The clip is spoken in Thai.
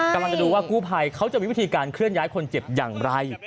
กำลังจะดูว่ากู้ภัยเขาจะมีวิธีการเคลื่อนย้ายคนเจ็บอย่างไร